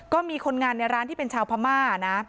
ก็มีคนงานในร้านที่เป็นชาวพม่านะ